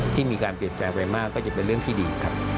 ที่มีการเปลี่ยนแปลงไปมากก็จะเป็นเรื่องที่ดีครับ